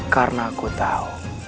karena aku tahu